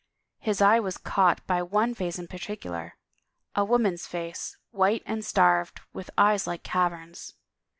His eye was caught by one face in particular — a woman's face, white and starved, with eyes like caverns.